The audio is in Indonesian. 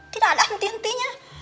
tidak ada henti hentinya